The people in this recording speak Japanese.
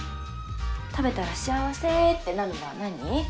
食べたら幸せってなるのは何？